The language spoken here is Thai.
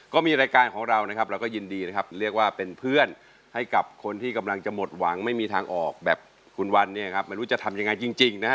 ก็มีรายการของเรานะครับเราก็ยินดีนะครับเรียกว่าเป็นเพื่อนให้กับคนที่กำลังจะหมดหวังไม่มีทางออกแบบคุณวันเนี่ยครับไม่รู้จะทำยังไงจริงนะฮะ